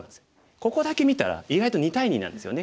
ここだけ見たら意外と２対２なんですよね。